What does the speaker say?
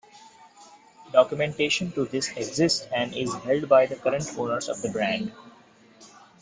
Documentation to this exists and is held by the current owners of the brand.